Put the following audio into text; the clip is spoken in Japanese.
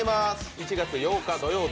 ７月８日土曜日